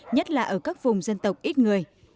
nhất là ở các vùng dân tộc ít người